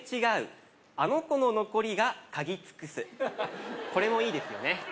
続いてこれもいいですよね